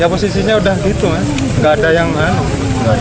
ya posisinya udah gitu gak ada yang tahu